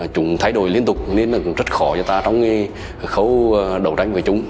chúng thay đổi liên tục nên rất khó cho ta trong khâu đấu tranh với chúng